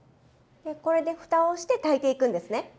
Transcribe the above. でこれでふたをして炊いていくんですね。